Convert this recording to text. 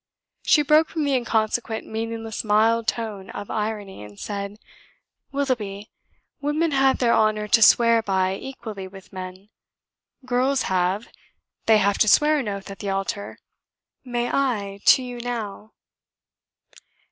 She broke from the inconsequent meaningless mild tone of irony, and said: "Willoughby, women have their honour to swear by equally with men: girls have: they have to swear an oath at the altar; may I to you now?